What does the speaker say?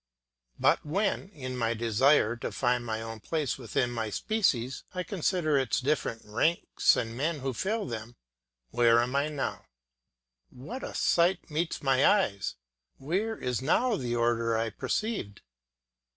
But when, in my desire to discover my own place within my species, I consider its different ranks and the men who fill them, where am I now? What a sight meets my eyes! Where is now the order I perceived?